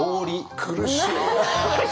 苦しい。